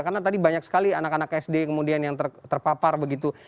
karena tadi banyak sekali anak anak sd kemudian yang terpapar begitu